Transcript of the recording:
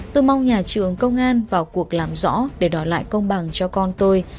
tôi mong nhà trường công an vào cuộc làm rõ để đòi lại công bằng cho con tôi